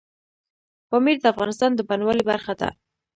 پامیر د افغانستان د بڼوالۍ برخه ده.